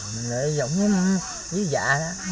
mình lại dùng với dạ đó